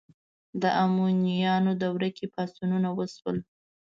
د امویانو دوره کې پاڅونونه وشول